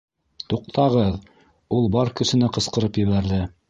—Туҡтағыҙ! —ул бар көсөнә ҡысҡырып ебәрҙе.